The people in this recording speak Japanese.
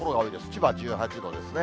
千葉は１８度ですね。